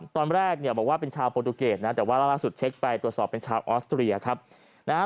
ตอนแรกบอกว่าเป็นชาวโปรดูเกสแต่ว่าล่าสุดเช็กไปตรวจสอบเป็นชาวออสเตอรียา